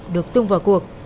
được tung vào cuộc